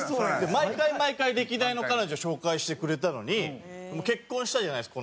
毎回毎回歴代の彼女紹介してくれたのに結婚したじゃないですか